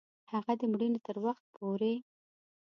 هغه د مړینې تر وخت پوري